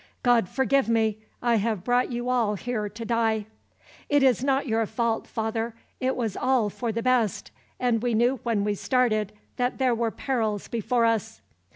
"God forgive me, I have brought you all here to die." "It is not your fault, father. It was all for the best, and we knew when we started that there were perils before us."